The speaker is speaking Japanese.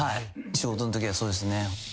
仕事のときはそうですね。